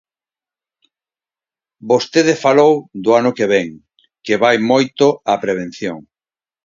Vostede falou do ano que vén, que vai moito á prevención.